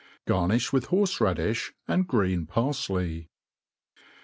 Garniih with horfe raddifli and green parfley.